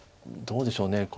どうでしょうね。